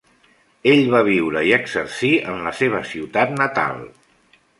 Ell va viure i exercir en la seva ciutat natal.